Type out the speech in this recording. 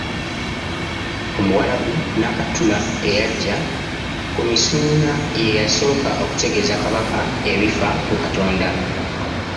Omuwarabu Nakatukula eyajja, ku Misuuna ye yasooka okutegeeza Kabaka ebifa ku Katonda.